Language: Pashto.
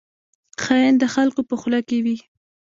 خاین د خلکو په خوله کې وي